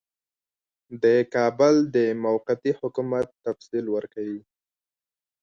د کابل د موقتي حکومت تفصیل ورکوي.